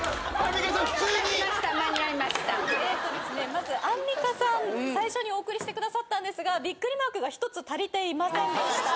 まずアンミカさん最初にお送りしてくださったんですがびっくりマークが１つ足りていませんでした。